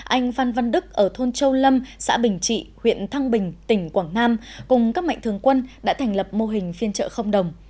anh phan văn đức ở thôn châu lâm xã bình trị huyện thăng bình tỉnh quảng nam cùng các mạnh thường quân đã thành lập mô hình phiên chợ không đồng